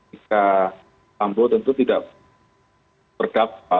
jika sambo tentu tidak berdakwa